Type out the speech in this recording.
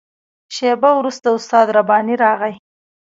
شېبه وروسته استاد رباني راغی.